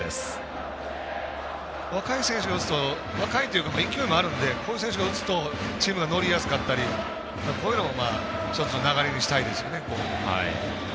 若い選手が打つと若いというか勢いがあるのでこういう選手が打つとチームが乗りやすかったりこういうのも１つの流れにしたいですよね。